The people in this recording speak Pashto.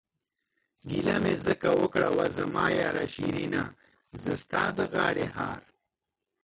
گيله مې ځکه اوکړه وا زما ياره شيرينه، زه ستا د غاړې هار...